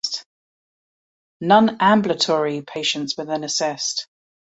Non-ambulatory patients are then assessed.